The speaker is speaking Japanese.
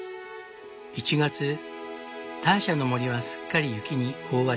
１月ターシャの森はすっかり雪に覆われる。